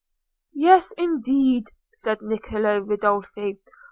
"Yes, indeed," said Niccolò Ridolfi.